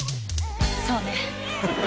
そうね。